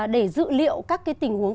để dự liệu các tình huống